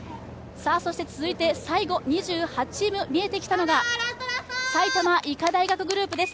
続いて最後に２８チーム、見えてきたのが埼玉医科大学グループです。